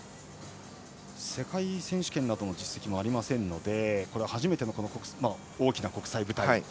世界選手権などの実績もありませんので初めての大きな国際舞台。